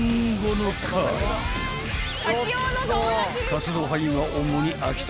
［活動範囲は主に秋田県］